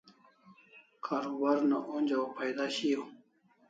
Karubar una onja o phaida shiau